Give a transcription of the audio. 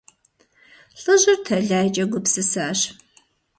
Лӏыжьыр тэлайкӀэ гупсысащ.